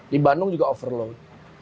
di bandung juga overload